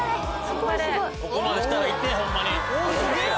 ここまで来たら行ってホンマに。